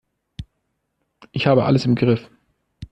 Ich habe alles im Griff.